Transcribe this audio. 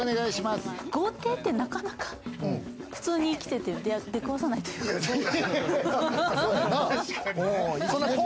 豪邸ってなかなか普通に来ててでくわさないくというか。